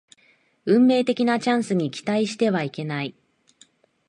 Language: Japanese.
運命的なチャンスに期待してはいけない